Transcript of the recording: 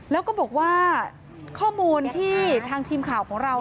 แล้วก็บอกว่าข้อมูลที่ทางทีมข่าวของเรา